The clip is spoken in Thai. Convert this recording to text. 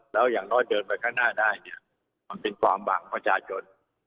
แล้วอย่างน้อยเดินไปข้างหน้าได้เนี่ยมันเป็นความหวังของประชาชน